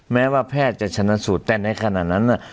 แม้ว่าแพทย์จะชนะสูตรแต่ในขณะนั้น